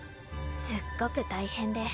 すっごく大変で。